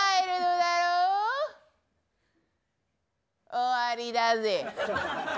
終わりだぜ。